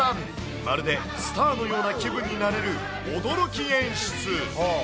まるでスターのような気分になれる驚き演出。